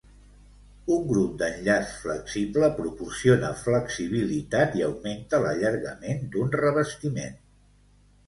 Un grup d'enllaç flexible proporciona flexibilitat i augmenta l'allargament d'un revestiment.